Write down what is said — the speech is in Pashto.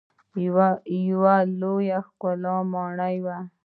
یوه لویه ښکلې ماڼۍ وه.